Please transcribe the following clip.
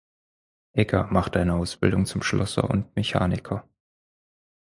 Egger machte eine Ausbildung zum Schlosser und Mechaniker.